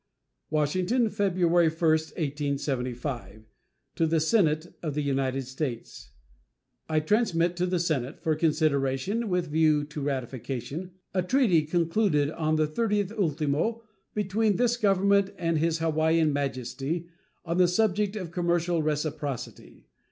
WASHINGTON, February 1, 1875. To the Senate of the United States: I transmit to the Senate, for consideration with a view to ratification, a treaty concluded on the 30th ultimo between this Government and His Hawaiian Majesty, on the subject of commercial reciprocity.